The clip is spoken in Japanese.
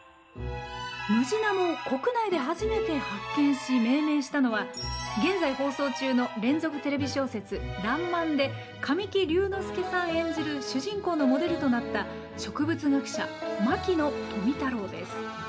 ムジナモを国内で初めて発見し命名したのは現在放送中の連続テレビ小説「らんまん」で神木隆之介さん演じる主人公のモデルとなった植物学者・牧野富太郎です。